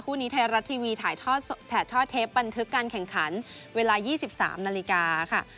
นี้ไทยรัฐทีวีถ่ายทอดเทปบันทึกการแข่งขันเวลา๒๓นาฬิกาค่ะ